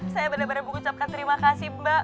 saya bener bener mengucapkan terima kasih mbak